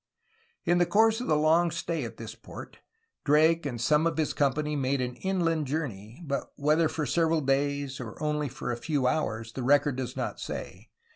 In the course of the long stay at this port Drake and some of his company made an inland journey, but whether for several days or only for a few hours the record does not say.